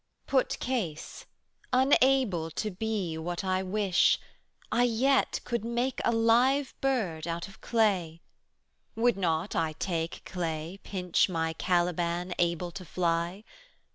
Put case, unable to be what I wish, 75 I yet could make a live bird out of clay: Would not I take clay, pinch my Caliban Able to fly?